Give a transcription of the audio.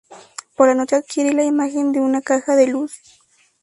Por la noche adquiere la imagen de una caja de luz.